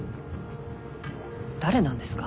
誰なんですか？